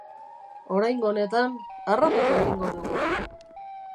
Oraingo honetan, harrapatu egingo dugu!